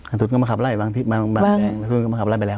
อันทุนก็มาขับไล่บางทีบางแปงก็มาขับไล่ไปแล้ว